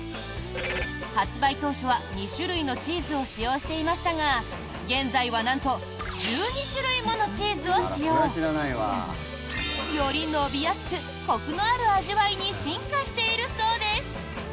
発売当初は２種類のチーズを使用していましたが現在は、なんと１２種類ものチーズを使用！より伸びやすくコクのある味わいに進化しているそうです。